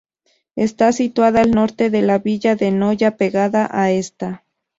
Está situada al norte de la villa de Noya pegada a esta.